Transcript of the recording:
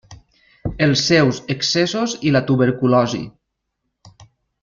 Els seus excessos i la tuberculosi.